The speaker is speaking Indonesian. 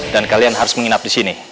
dan kalian harus menginap di sini